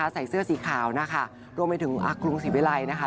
ใส่เสื้อสีขาวนะคะรวมไปถึงกรุงศรีวิลัยนะคะ